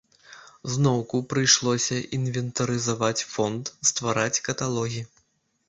Зноўку прыйшлося інвентарызаваць фонд, ствараць каталогі.